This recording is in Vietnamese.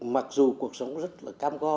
mặc dù cuộc sống rất là cam go